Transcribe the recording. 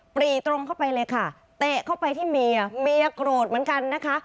รีตรงเข้าไปเลยค่ะเตะเข้าไปที่เมียเมียโกรธเหมือนกันนะคะ